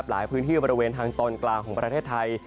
หลายพื้นที่บริเวณทางตอนกลางของประเทศไทย